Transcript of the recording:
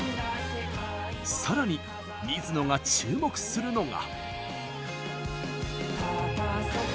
さらに水野が注目するのが。